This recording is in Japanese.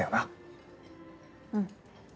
うん。